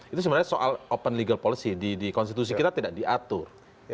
itu sebenarnya soal open legal policy di konstitusi kita tidak diatur